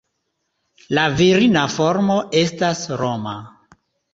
La virina formo estas Roma.